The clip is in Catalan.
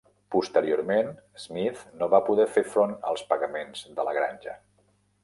Posteriorment, Smith no va poder fer front als pagaments de la granja.